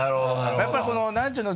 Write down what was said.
やっぱりこの何て言うの？